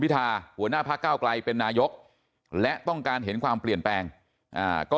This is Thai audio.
หัวหน้าพระเก้าไกลเป็นนายกและต้องการเห็นความเปลี่ยนแปลงก็